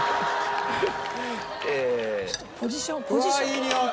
いいにおい。